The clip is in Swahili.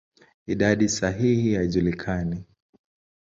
Idadi sahihi haijulikani.